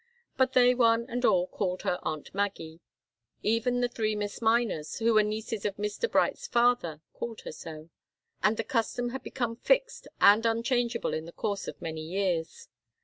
But they one and all called her aunt Maggie. Even the three Miss Miners, who were nieces of Mr. Bright's father, called her so, and the custom had become fixed and unchangeable in the course of many years.